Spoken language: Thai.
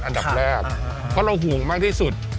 อันดับแรกเพราะเราห่วงมากที่สุด